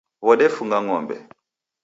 Wodefunga ng'ombe.